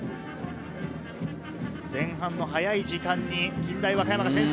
前半の早い時間に近大和歌山が先制。